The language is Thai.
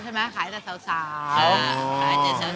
๒๐๓๐ปีแล้วขายจากสาวใช่ไหมขายจากสาว